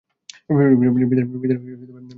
পিতার মৃত্যুশোক সে কাটিয়ে উঠেছে।